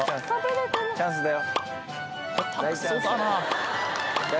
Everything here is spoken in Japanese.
大チャンスだよ。